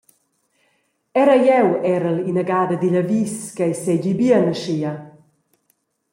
Era jeu erel inagada digl avis ch’ei seigi bien aschia.